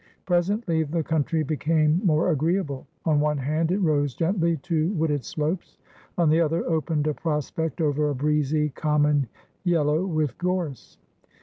Presently the country became more agreeable; on one hand it rose gently to wooded slopes, on the other opened a prospect over a breezy common, yellow with gorse.